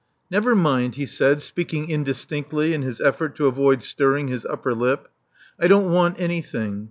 Never mind," he said, speaking indistinctly in his effort to avoid stirring his upper lip. I don't want anything.